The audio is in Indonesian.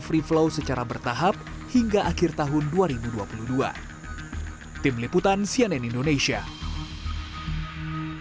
sementara pemerintah indonesia akan memperlakukan sistem pembayaran tanpa sentuh atau multiland